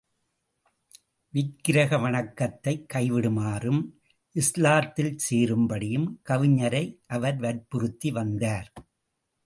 விக்கிரக வணக்கத்தைக் கை விடுமாறும், இஸ்லாத்தில் சேரும்படியும் கவிஞரை அவர் வற்புறுத்தி வந்தார்.